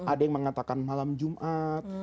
ada yang mengatakan malam jumat